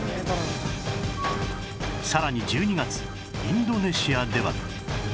さらに１２月インドネシアでは